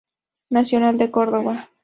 Nacional de Córdoba.